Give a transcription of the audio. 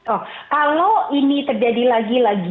oh kalau ini terjadi lagi lagi